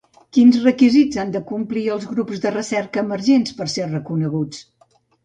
Quins requisits han de complir els grups de recerca emergents per ser reconeguts?